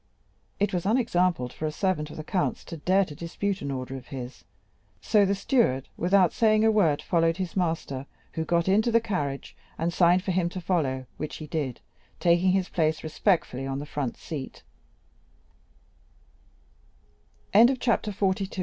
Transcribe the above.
20277m It was unexampled for a servant of the count's to dare to dispute an order of his, so the steward, without saying a word, followed his master, who got into the carriage, and signed to him to follow, which he did, taking his place respectfully on the front se